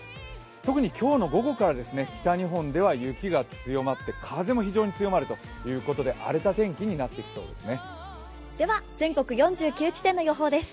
特に今日午後から北日本では雪が強まって風も非常に強まるということで荒れた天気になってきそうですね。